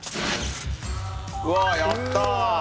うわあやった！